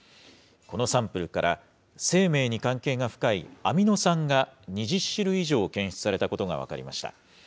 このサンプルから生命に関係が深いアミノ酸が２０種類以上検出されたことが分かりました。